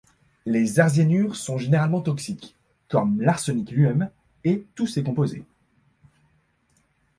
Les arséniures sont généralement toxiques, comme l'arsenic lui-même et tous ses composés.